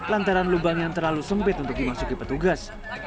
lantaran lubang yang terlalu sempit untuk dimasuki petugas